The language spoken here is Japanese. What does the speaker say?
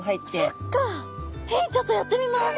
えっちょっとやってみます！